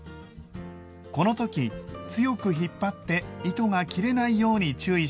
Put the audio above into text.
この時強く引っ張って糸が切れないように注意しましょう。